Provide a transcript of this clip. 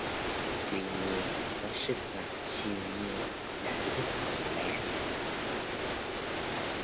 tuy nhiên có sức mạnh siêu nhiên đã giúp còn bé